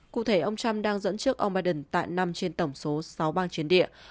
cụ thể ông trump đang dẫn trước ông biden tại năm trên tổng số sáu bang chiến địa